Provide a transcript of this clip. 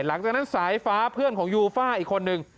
หลังจากนั้นสายฟ้าเพื่อนของยูฟ่าอีกคนนึง